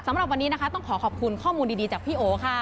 สำหรับวันนี้นะคะต้องขอขอบคุณข้อมูลดีจากพี่โอค่ะ